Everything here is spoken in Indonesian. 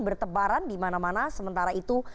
bertebaran di mana mana sementara itu